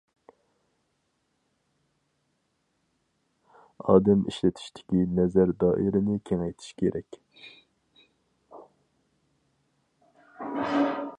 ئادەم ئىشلىتىشتىكى نەزەر دائىرىنى كېڭەيتىش كېرەك.